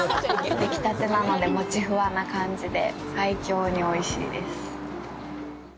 できたてなので、モチふわな感じで、最強においしいです。